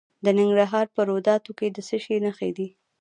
د ننګرهار په روداتو کې د څه شي نښې دي؟